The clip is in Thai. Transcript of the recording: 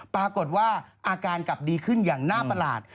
ปรากฏว่าอาการกลับดีขึ้นอย่างน่าประหลาด